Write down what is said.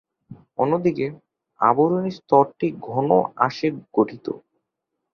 অন্যদিকে, আবরণী স্তরটি ঘন আঁশে গঠিত।